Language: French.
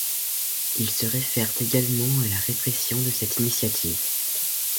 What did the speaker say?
Ils se réfèrent également à la répression de cette initiative.